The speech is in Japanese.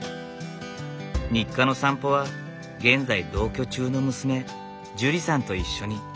日課の散歩は現在同居中の娘ジュリさんと一緒に。